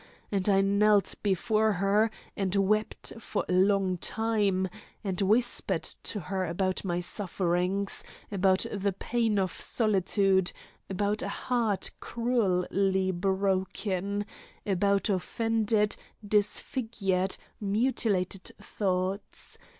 And I knelt before her and wept for a long time, and whispered to her about my sufferings, about the pain of solitude, about a heart cruelly broken, about offended, disfigured, mutilated thoughts.